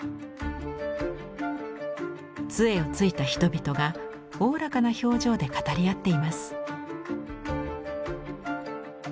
つえをついた人々がおおらかな表情で語り合っています。